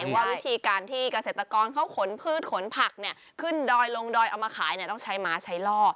ว่าวิธีการที่เกษตรกรเขาขนพืชขนผักขึ้นดอยลงดอยเอามาขายต้องใช้ม้าใช้ล่อ